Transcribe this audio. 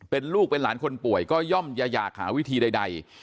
เป็นลูกเป็นหลานคนป่วยก็ย่อมอย่าอยากหาวิธีใด